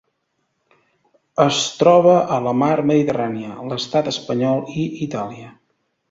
Es troba a la Mar Mediterrània: l'Estat espanyol i Itàlia.